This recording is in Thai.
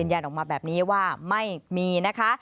เย็นออกมาแบบนี้ว่าไม่มี